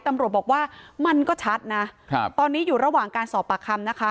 ตำรวจบอกว่ามันก็ชัดนะครับตอนนี้อยู่ระหว่างการสอบปากคำนะคะ